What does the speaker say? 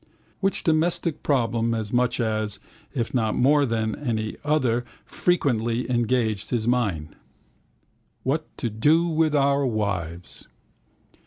Which domestic problem as much as, if not more than, any other frequently engaged his mind? What to do with our wives.